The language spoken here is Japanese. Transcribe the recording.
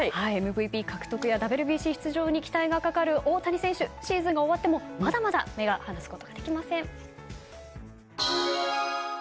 ＭＶＰ獲得、ＷＢＣ出場にも期待がかかる大谷選手シーズンが終わってもまだまだ目が離すことができません。